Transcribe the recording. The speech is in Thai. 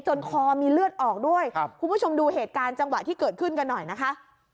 คอมีเลือดออกด้วยครับคุณผู้ชมดูเหตุการณ์จังหวะที่เกิดขึ้นกันหน่อยนะคะ